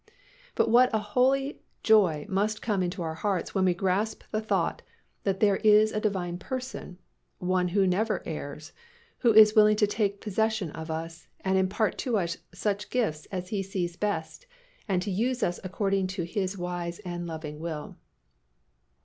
But what a holy joy must come into our hearts when we grasp the thought that there is a Divine Person, One who never errs, who is willing to take possession of us and impart to us such gifts as He sees best and to use us according to His wise and loving will.